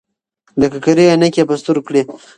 د ککرۍ عینکې یې په سترګو کړې.